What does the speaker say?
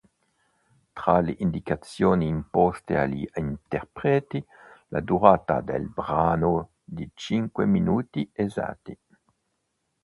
Tra le indicazioni imposte agli interpreti, la durata del brano, di cinque minuti esatti.